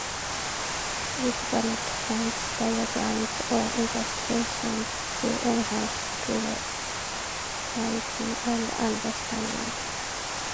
Use bullet points, diagrams, or illustrations to enhance clarity and understanding.